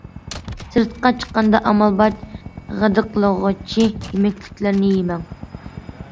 سىرتقا چىققاندا ئامال بار غىدىقلىغۇچى يېمەكلىكلەرنى يېمەڭ.